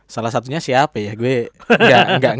salah satunya siapa ya